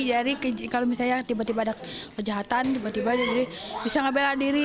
jadi kalau misalnya tiba tiba ada kejahatan tiba tiba jadi bisa tidak bela diri